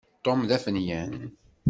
Tom d afenyan.